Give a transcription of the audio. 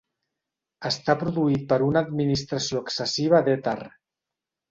Estat produït per una administració excessiva d'èter.